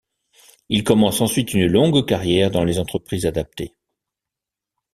Il commence ensuite une longue carrière dans les entreprises adaptées.